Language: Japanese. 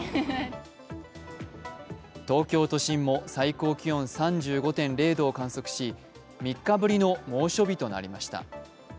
東京都心も最高気温３５．０度を観測し、３日ぶりの猛暑日となりました。